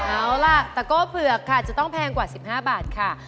เอาล่ะตะโก้เผือกค่ะจะต้องแพงกว่า๑๕บาทค่ะ